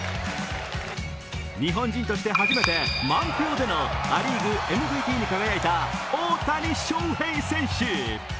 日本人として初めて満票でのア・リーグＭＶＰに輝いた大谷翔平選手。